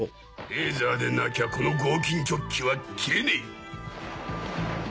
レーザーでなきゃこの合金チョッキは切れねえ。